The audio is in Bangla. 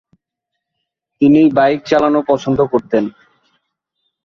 তিনি বাইক চালানো পছন্দ করতেন।